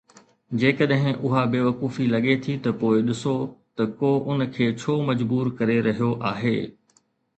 جيڪڏهن اها بيوقوفي لڳي ٿي ته پوءِ ڏسو ته ڪو ان کي ڇو مجبور ڪري رهيو آهي